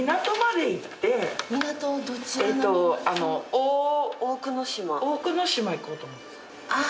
大久野島行こうと思うんです。